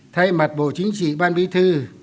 thay mặt bộ chính trị ban bi thư